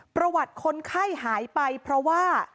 ประวัติคนไข้หายไปเพราะว่า